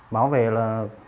báo về là